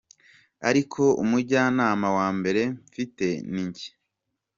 Ariko umujyanama wa mbere mfite ni njye.